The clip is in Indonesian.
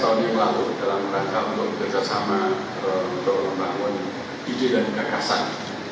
untuk dalam rangka untuk bekerjasama untuk membangun ide dan kekasan